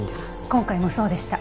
今回もそうでした。